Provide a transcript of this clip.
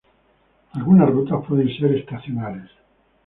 Algunas rutas pueden ser estacionales.